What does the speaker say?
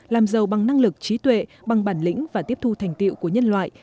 làm giàu bằng năng lực trí tuệ bằng bản lĩnh và tiếp thu thành tiệu của nhân loại